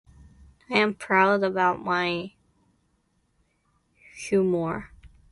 I am proud about my: humour.